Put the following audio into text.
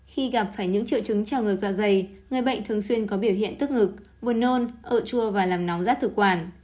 khi gặp phải những triệu chứng trào ngược dạ dày người bệnh thường xuyên có biểu hiện tức ngực buồn nôn ợ chua và làm nóng rát thực quản